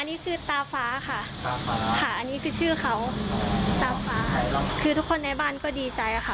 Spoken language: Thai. อันนี้คือตาฟ้าค่ะตาฟ้าค่ะอันนี้คือชื่อเขาตาฟ้าคือทุกคนในบ้านก็ดีใจค่ะ